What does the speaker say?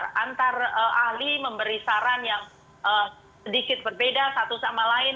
antara antar ahli memberi saran yang sedikit berbeda satu sama lain